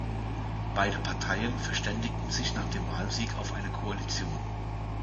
Beide Parteien verständigten sich nach dem Wahlsieg auf eine Koalition.